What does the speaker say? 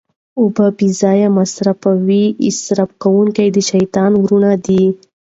اوبه بې ځایه مه مصرفوئ، اسراف کونکي د شيطان وروڼه دي